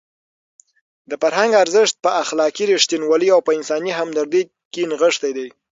د فرهنګ ارزښت په اخلاقي رښتینولۍ او په انساني همدردۍ کې نغښتی دی.